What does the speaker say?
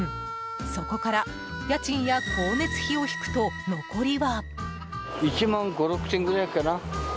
そこから家賃や光熱費を引くと残りは。